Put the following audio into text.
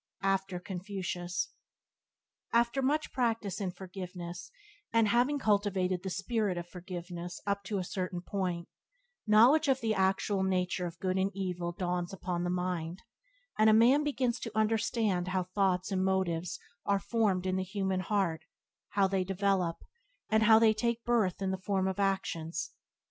—After Confucius. FTER much practice in forgiveness and having cultivated the spirit of forgiveness up to a certain point, knowledge of the actual nature of good and evil dawns upon the mind, and a man begins to understand how thoughts and motives are formed in the human heart, how they develop, and how take birth in the form of actions.